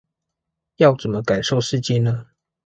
要怎麼感受世界呢？